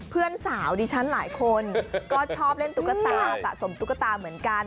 เพื่อนสาวดิฉันหลายคนก็ชอบเล่นตุ๊กตาสะสมตุ๊กตาเหมือนกัน